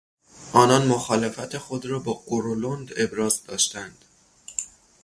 آنان مخالفت خود را با غرولند ابراز داشتند.